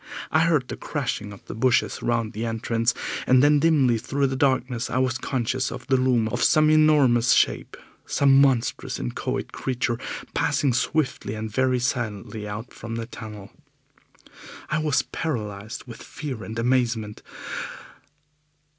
I heard the crashing of the bushes round the entrance, and then dimly through the darkness I was conscious of the loom of some enormous shape, some monstrous inchoate creature, passing swiftly and very silently out from the tunnel. I was paralysed with fear and amazement.